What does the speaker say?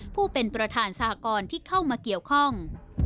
ผู้เป็นประธานสหกรณ์ที่เข้ามาเกี่ยวข้อง